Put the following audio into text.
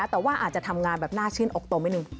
แต่ว่าอาจจะทำงานแบบน่าชื่นอกตัวนิดนึง